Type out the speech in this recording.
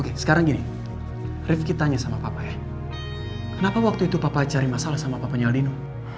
oke sekarang gini rifki tanya sama papa ya kenapa waktu itu papa cari masalah sama papanya aldino